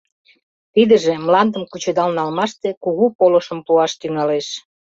Тидыже мландым кучедал налмаште кугу полышым пуаш тӱҥалеш.